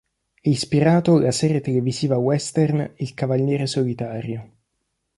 È ispirato la serie televisiva western "Il cavaliere solitario".